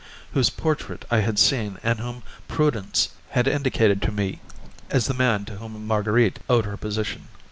whose portrait I had seen and whom Prudence had indicated to me as the man to whom Marguerite owed her position.